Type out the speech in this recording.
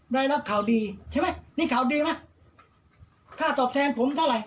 ได้รับข่าวดีใช่ไหมนี่ข่าวดีไหมค่าตอบแทนผมเท่าไหร่